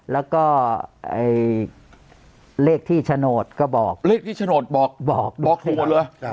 แล้วก็เลขที่โฉนดก็บอกเลขที่โฉนดบอกบอกถูกหมดเลย